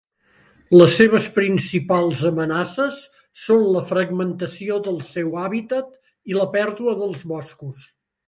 Les seves principals amenaces són la fragmentació del seu hàbitat i la pèrdua dels boscos.